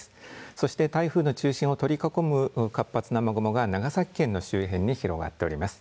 そして台風の中心を取り囲む活発な雨雲が長崎県の周辺に広がっております。